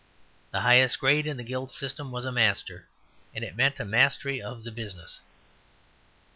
The highest grade in the Guild system was a Master, and it meant a mastery of the business.